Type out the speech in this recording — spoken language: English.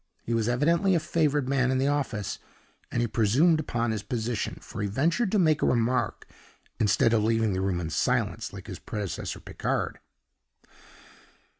He was evidently a favored man in the office, and he presumed upon his position; for he ventured to make a remark, instead of leaving the room in silence, like his predecessor Picard.